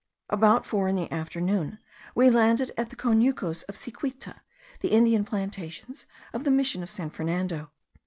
About four in the afternoon we landed at the Conucos de Siquita, the Indian plantations of the mission of San Fernando.